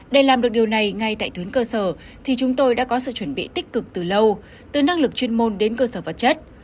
để làm được điều này ngay tại tuyến cơ sở thì chúng tôi đã có sự chuẩn bị tích cực từ lâu từ năng lực chuyên môn đến cơ sở vật chất